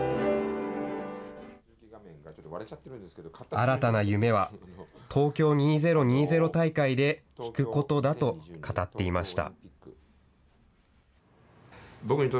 新たな夢は、東京２０２０大会で弾くことだと語っていました。